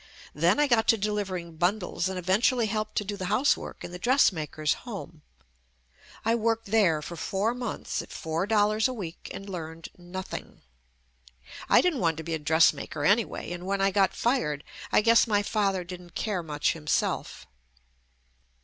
Then I got to delivering bundles and event ually helped to do the housework in the dress maker's home. I worked there for four months at four dollars a week and learned nothing. I didn't want to be a dressmaker anyway, and when I got fired I guess my father didn't care much himself.